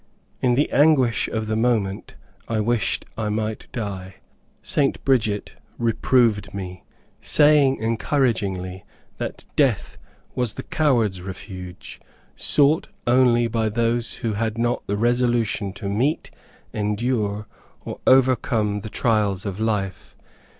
In the anguish of the moment, I wished I might die. St. Bridget reproved me, saying encouragingly that death was the coward's refuge, sought only by those who had not the resolution to meet, endure, or overcome the trials of life.